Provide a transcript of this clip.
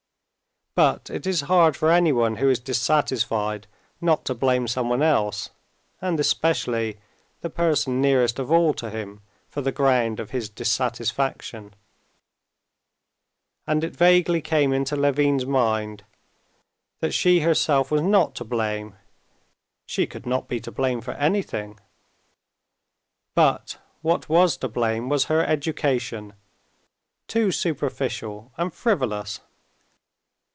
But it is hard for anyone who is dissatisfied not to blame someone else, and especially the person nearest of all to him, for the ground of his dissatisfaction. And it vaguely came into Levin's mind that she herself was not to blame (she could not be to blame for anything), but what was to blame was her education, too superficial and frivolous.